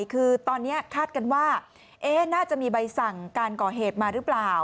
คือตอนนี้คาดกันว่าน่าจะมีใบสั่งการก่อเหตุมาหรือเปล่า